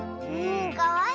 かわいい！